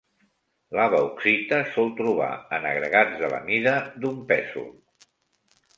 La bauxita sol trobar en agregats de la mida d'un pèsol.